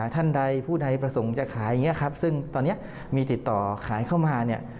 ท่านใดผู้ใดประสงค์จะขายอย่างนี้ครับซึ่งตอนนี้มีติดต่อขายเข้ามาเนี่ย